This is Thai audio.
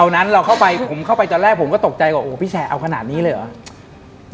ตอนแรกผมก็ตกใจว่าพี่แชแอเอาขนาดนี้เลยหรอ